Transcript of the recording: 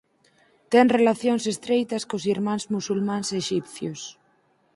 Ten relacións estreitas cos Irmáns Musulmáns exipcios.